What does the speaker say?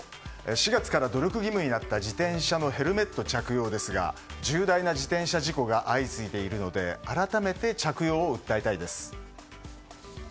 ４月から努力義務になった自転車のヘルメット着用ですが重大な自転車事故が相次いでいるので改めて着用を訴えたいです。